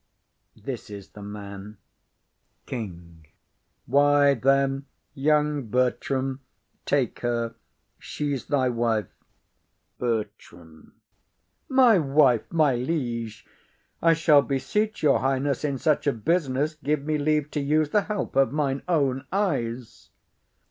This is the man. KING. Why, then, young Bertram, take her; she's thy wife. BERTRAM. My wife, my liege! I shall beseech your highness, In such a business give me leave to use The help of mine own eyes.